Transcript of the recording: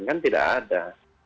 kan tidak ada